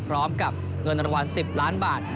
พร้อมกับเงินรางวัล๑๐ล้านบาท